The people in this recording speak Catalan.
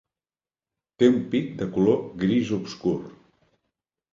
Té un pic de color gris obscur.